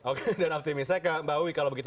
oke dan optimis saya ke mbak wiwi kalau begitu